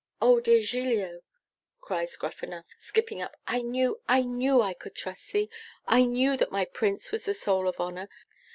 'Oh, dear Giglio,' cries Gruffanuff, skipping up, 'I knew, I knew I could trust thee I knew that my Prince was the soul of honour.